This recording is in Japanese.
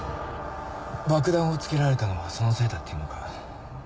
爆弾をつけられたのはそのせいだっていうのか？